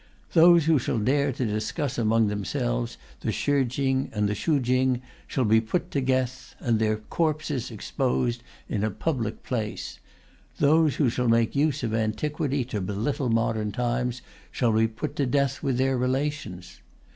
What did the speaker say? Those who shall dare to discuss among themselves the Shi King and the Shu King shall be put to death and their corpses exposed in a public place; those who shall make use of antiquity to belittle modern times shall be put to death with their relations....